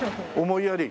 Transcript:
「重いやり」？